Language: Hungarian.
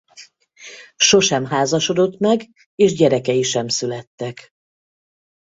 Sosem házasodott meg és gyerekei sem születtek.